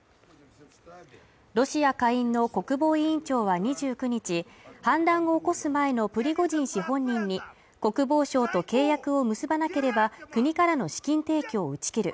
ロシア下院の国防委員長は２９日、反乱を起こす前のプリゴジン氏本人に国防省と契約を結ばなければ、国からの資金提供を打ち切る